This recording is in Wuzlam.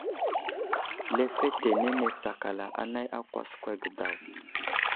Lefetenene tsakala anay a kwaskwa ge daw.